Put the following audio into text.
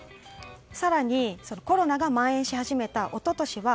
更にコロナが蔓延し始めた一昨年は